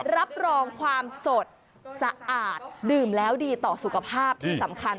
รับรองความสดสะอาดดื่มแล้วดีต่อสุขภาพที่สำคัญ